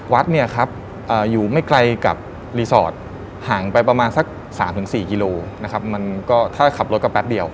วัดอยู่ไม่ไกลกับรีสอร์ทห่างไปประมาณสัก๓๔กิโลเท่าวัดรถกับแป๊บเดียว